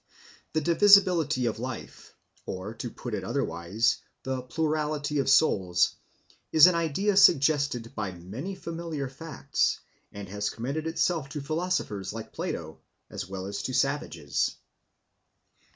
The divisibility of life, or, to put it otherwise, the plurality of souls, is an idea suggested by many familiar facts, and has commended itself to philosophers like Plato, as well as to savages.